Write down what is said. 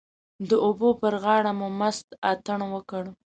د اوبو پر غاړه مو مست اتڼ وکړ.